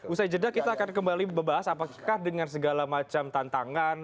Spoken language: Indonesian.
usai jeda kita akan kembali membahas apakah dengan segala macam tantangan